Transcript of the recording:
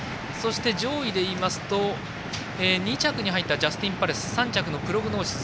上位でいいますと２着に入ったジャスティンパレス３着のプログノーシス